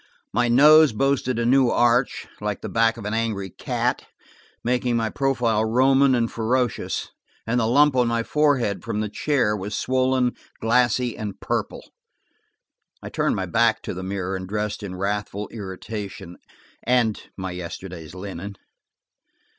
My nose boasted a new arch, like the back of an angry cat, making my profile Roman and ferocious, and the lump on my forehead from the chair was swollen, glassy and purple. I turned my back to the mirror and dressed in wrathful irritation and my yesterday's linen.